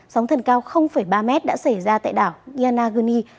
sóng thần cao ba mét đã xảy ra tại đảo yonaguni